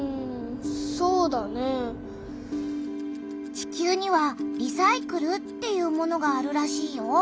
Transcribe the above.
地球には「リサイクル」っていうものがあるらしいよ。